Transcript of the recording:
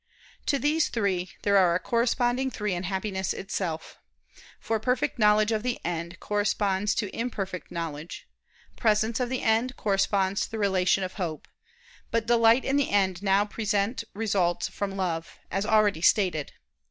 To these three, there are a corresponding three in Happiness itself. For perfect knowledge of the end corresponds to imperfect knowledge; presence of the end corresponds to the relation of hope; but delight in the end now present results from love, as already stated (A.